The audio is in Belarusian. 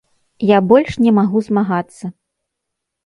Я больш не магу змагацца.